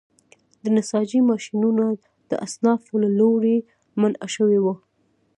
د نساجۍ ماشینونه د اصنافو له لوري منع شوي وو.